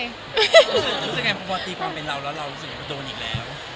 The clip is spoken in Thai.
รู้สึกยังไงพอตีความเป็นเราแล้วเรารู้สึกว่าโดนอีกแล้ว